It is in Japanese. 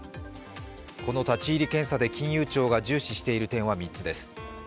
この立ち入り検査で金融庁が重視している点は３つです。